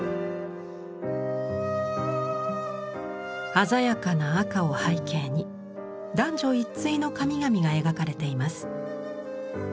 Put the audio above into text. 鮮やかな赤を背景に男女一対の神々が描かれています。